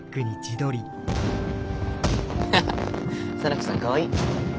ハハッ沙名子さんかわいい。